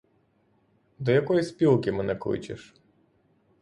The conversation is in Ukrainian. До якої спілки мене кличеш?